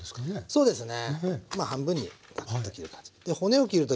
そうですね。